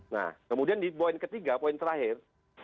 nah kemudian di poin ketiga poin terakhir